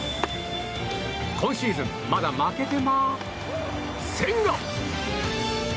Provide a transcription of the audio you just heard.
今シーズンまだ負けてま千賀！